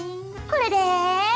これで。